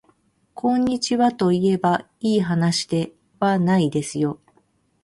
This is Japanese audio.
こんにちはといえばいいはなしではないですよ